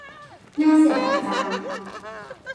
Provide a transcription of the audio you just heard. น่าเสียดายจัง